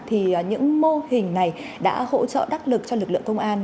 thì những mô hình này đã hỗ trợ đắc lực cho lực lượng công an